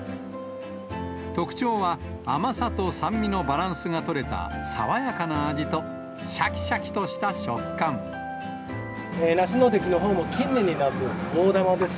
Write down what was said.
特徴は、甘さと酸味のバランスが取れた爽やかな味と、しゃきしゃきとした梨の出来のほうも近年になく大玉です。